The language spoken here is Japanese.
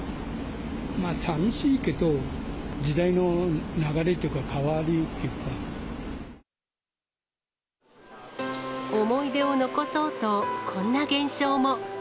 まあ、さみしいけど、時代の流れというか、思い出を残そうと、こんな現象も。